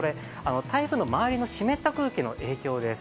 台風の周りの湿った空気の影響です。